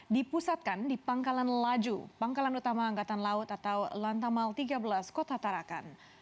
dipusatkan di pangkalan laju pangkalan utama angkatan laut atau lantamal tiga belas kota tarakan